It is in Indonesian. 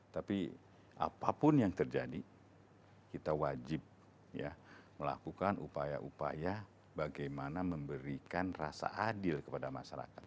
tapi apapun yang terjadi kita wajib melakukan upaya upaya bagaimana memberikan rasa adil kepada masyarakat